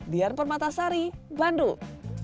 dian permatasari bandung